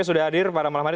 sudah hadir pada malam hari